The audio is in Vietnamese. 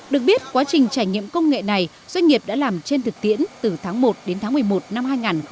được biết quá trình trải nghiệm công nghệ này doanh nghiệp đã làm trên thực tiễn từ tháng một đến tháng một mươi một năm hai nghìn một mươi tám